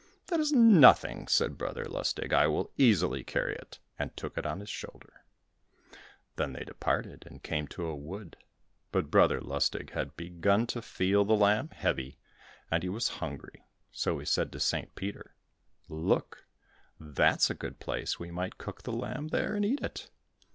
"That is nothing," said Brother Lustig. "I will easily carry it," and took it on his shoulder. Then they departed and came to a wood, but Brother Lustig had begun to feel the lamb heavy, and he was hungry, so he said to St. Peter, "Look, that's a good place, we might cook the lamb there, and eat it."